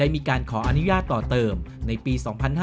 มีการขออนุญาตต่อเติมในปี๒๕๕๙